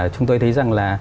chúng tôi thấy rằng là